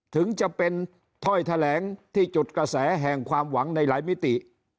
ถึงจะเป็นถ้อยแถลงที่จุดกระแสแห่งความหวังในหลายมิติ